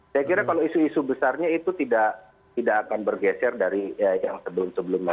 saya kira kalau isu isu besarnya itu tidak akan bergeser dari yang sebelum sebelumnya